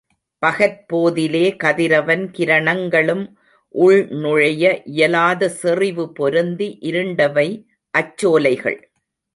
பகற்போதிலே கதிரவன் கிரணங்களும் உள்நுழைய இயலாத செறிவு பொருந்தி இருண்டவை, அச்சோலைகள்.